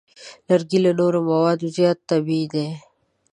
لرګی له نورو موادو زیات طبیعي دی.